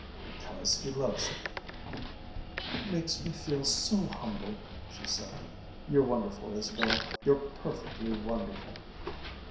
"Because he loves you." "It makes me feel so humble," she said. "You're wonderful, Isabel, you're perfectly wonderful."